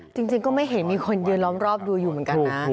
จริงก็ไม่เห็นมีคนยืนล้อมรอบดูอยู่เหมือนกันนะ